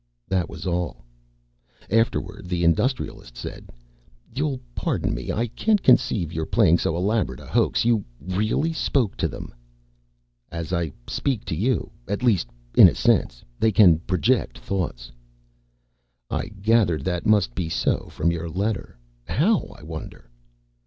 That was all. Afterward the Industrialist said, "You'll pardon me. I can't conceive your playing so elaborate a hoax. You really spoke to them?" "As I speak to you. At least, in a sense. They can project thoughts." "I gathered that must be so from your letter. How, I wonder."